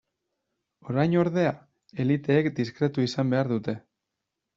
Orain, ordea, eliteek diskretu izan behar dute.